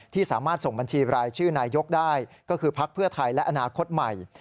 ที่สามารถส่งบัญชีรายชื่อนายกได้ก็คือพักเพื่อไทยและอนาคตใหม่